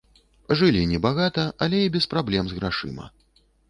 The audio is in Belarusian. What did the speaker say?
Жылі не багата, але і без праблем з грашыма.